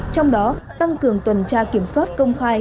trong đó tăng cường tuần tra kiểm soát công khai